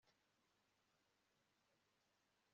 gatsinzi ntatekereza ko imikorere ya mariya yari nziza cyane